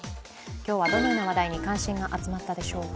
今日はどのような話題に関心が集まったでしょうか。